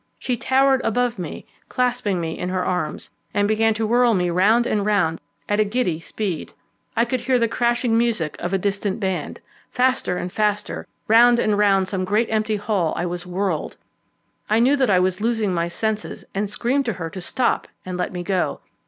She towered above me, clasping me in her arms, and began to whirl me round and round at a giddy speed. I could hear the crashing music of a distant band. Faster and faster, round and round some great empty hall was I whirled. I knew that I was losing my senses, and screamed to her to stop and let me go.